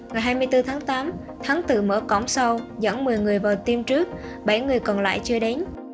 ngày hai mươi bốn tháng tám thắng tự mở cổng sau dẫn một mươi người vào tiêm trước bảy người còn lại chưa đến